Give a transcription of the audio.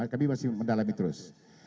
kami masih mendalami terus